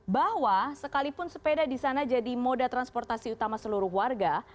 bahwa sekalipun sepeda di sana jadi moda transportasi utama seluruh warga